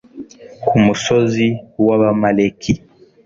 ku musozi w'abamaleki